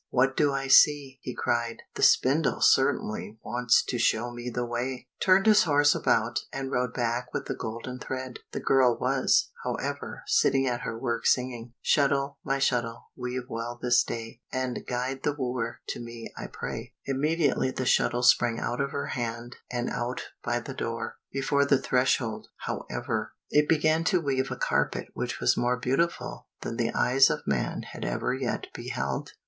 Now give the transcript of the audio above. "What do I see?" he cried; "the spindle certainly wants to show me the way!" turned his horse about, and rode back with the golden thread. The girl was, however, sitting at her work singing, "Shuttle, my shuttle, weave well this day, And guide the wooer to me, I pray." Immediately the shuttle sprang out of her hand and out by the door. Before the threshold, however, it began to weave a carpet which was more beautiful than the eyes of man had ever yet beheld.